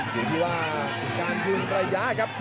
อยู่ที่ว่าการคืนระยะครับ